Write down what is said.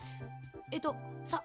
えっとさっ